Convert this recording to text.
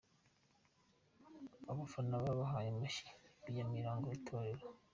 Abafana babahaye amashyi biyamira ngo n’ itorero.